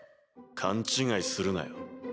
勘違いするなよ。